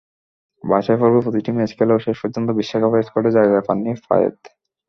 বাছাইপর্বের প্রতিটি ম্যাচ খেলেও শেষ পর্যন্ত বিশ্বকাপের স্কোয়াডে জায়গা পাননি পায়েত।